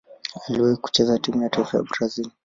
Aliwahi kucheza timu ya taifa ya Brazil.